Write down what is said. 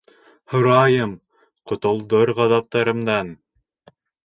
Һорайым, ҡотолдор ғазаптарымдан...